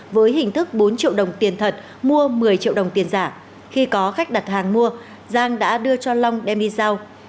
với hình thức bốn triệu đồng tiền thật mua một mươi triệu đồng tiền giả khi có khách đặt hàng mua giang đã đưa cho long đem đi giao